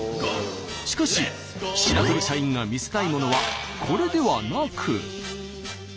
しかし白鳥社員が見せたいものはこれではなく。